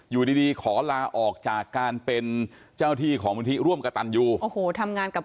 อยู่ดีดีขอลาออกจากการเป็นเจ้าที่ของมูลที่ร่วมกระตันยูโอ้โหทำงานกับ